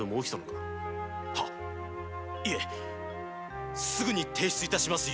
いえすぐに提出致します